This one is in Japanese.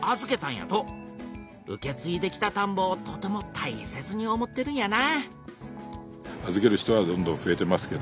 受けついできたたんぼをとてもたいせつに思ってるんやな